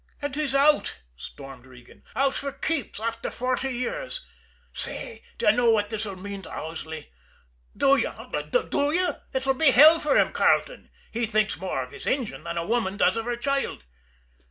"And he's out!" stormed Regan. "Out for keeps after forty years. Say, d'ye know what this'll mean to Owsley do you, eh, do you? It'll be hell for him, Carleton he thinks more of his engine than a woman does of her child."